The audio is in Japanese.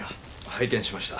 拝見しました。